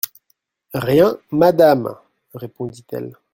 Rien, madame, répondit-elle.